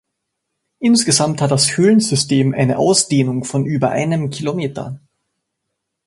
Insgesamt hat das Höhlensystem eine Ausdehnung von über einem Kilometer.